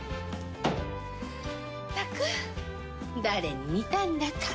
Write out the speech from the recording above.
まったく誰に似たんだか。